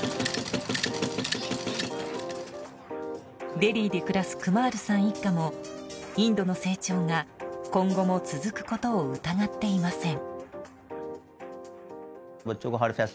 デリーで暮らすクマールさん一家もインドの成長が今後も続くことを疑っていません。